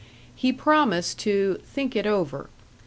He promised to "think it over."